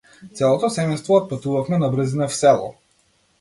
Целото семејство отпатувавме набрзина в село.